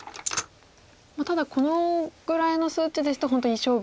ただこのぐらいの数値ですと本当いい勝負。